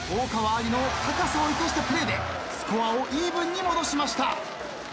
哩の高さを生かしたプレーでスコアをイーブンに戻しました。